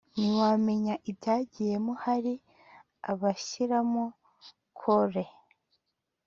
ntiwamenya ibyagiyemo hari abashyiramo kole